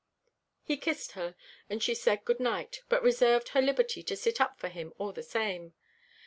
He kissed her; and she said good night, but reserved her liberty to sit up for him all the same.